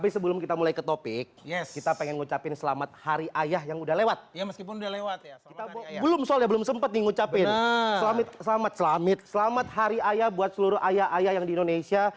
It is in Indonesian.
selamat hari ayah buat seluruh ayah ayah yang di indonesia